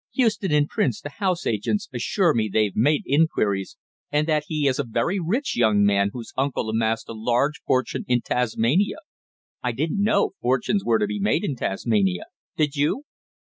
Houston and Prince, the house agents, assure me they've made inquiries, and that he is a rich young man whose uncle amassed a large fortune in Tasmania I didn't know fortunes were to be made in Tasmania, did you?